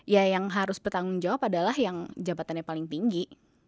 ya yang harus bertanggung jawab adalah yang jabatannya paling tinggi